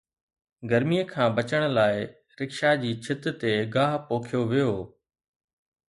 گرميءَ کان بچڻ لاءِ رڪشا جي ڇت تي گاهه پوکيو ويو